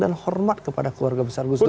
dan hormat kepada keluarga besar agustus